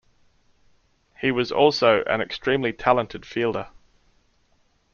He was also an extremely talented fielder.